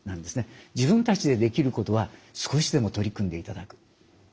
自分たちでできることは少しでも取り組んでいただく。